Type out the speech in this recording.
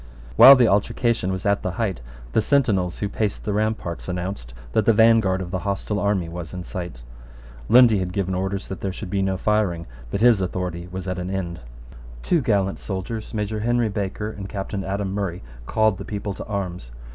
While the altercation was at the height, the sentinels who paced the ramparts announced that the vanguard of the hostile army was in sight. Lundy had given orders that there should be no firing; but his authority was at an end. Two gallant soldiers, Major Henry Baker and Captain Adam Murray, called the people to arms.